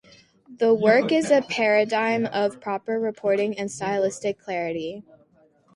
The work is a paradigm of proper reporting and stylistic clarity.